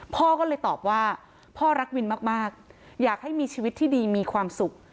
พ่อก็เลยตอบว่าพ่อรักวินมากอยากให้มีชีวิตที่ดีมีความสุข